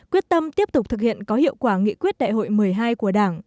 quyết tâm tiếp tục thực hiện có hiệu quả nghị quyết đại hội một mươi hai của đảng